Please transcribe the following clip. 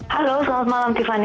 halo selamat malam tiffany